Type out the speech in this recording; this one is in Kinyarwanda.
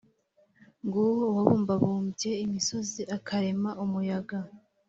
Nguwo Uwabumbabumbye imisozi, akarema umuyaga,